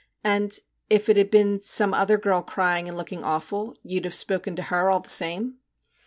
' And if it had been some other girl crying and looking awful, you 'd have spoken to her all the same